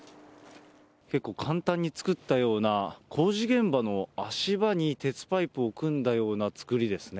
結構簡単に造ったような、工事現場の足場に鉄パイプを組んだような作りですね。